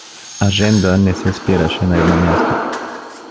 А Женда не се спираше на едно място.